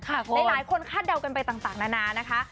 หลายคนคาดเดากันไปต่างนานานะคะ